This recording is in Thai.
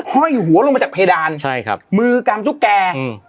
ห้อยหัวลงมาจากเพดานใช่ครับมือกำตุ๊กแกอืม